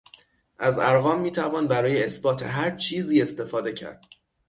از ارقام میتوان برای اثبات هر چیزی استفاده کرد.